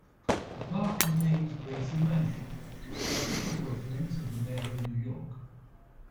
The park contains Gracie Mansion, the official residence of the Mayor of New York.